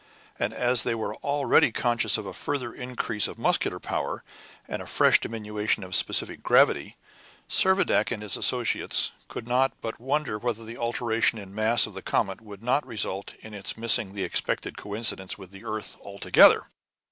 and as they were already conscious of a further increase of muscular power, and a fresh diminution of specific gravity, Servadac and his associates could not but wonder whether the alteration in the mass of the comet would not result in its missing the expected coincidence with the earth altogether.